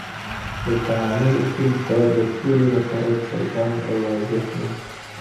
د تعامل اصول باید د ټولو لپاره څرګند او واضح وي.